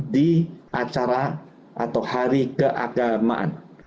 di acara atau hari keagamaan